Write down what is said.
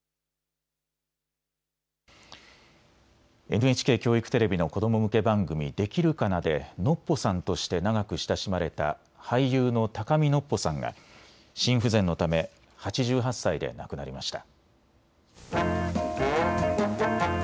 ＮＨＫ教育テレビの子ども向け番組、できるかなでノッポさんとして長く親しまれた俳優の高見のっぽさんが心不全のため８８歳で亡くなりました。